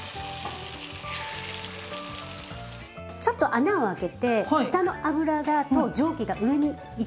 ちょっと穴をあけて下の油と蒸気が上に行くように。